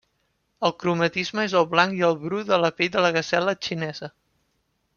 El cromatisme és el blanc i el bru de la pell de la gasela xinesa.